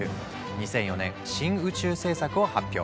２００４年「新宇宙政策」を発表。